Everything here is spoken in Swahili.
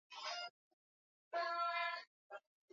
Dhidi ya tawala za kibepari huko Amerika ya Kusini na Afrika